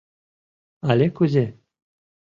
Але кузе?